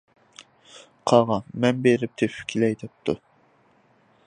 قاغا: «مەن بېرىپ تېپىپ كېلەي» دەپتۇ.